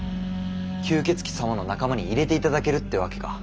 吸血鬼様の仲間に入れていただけるってわけか。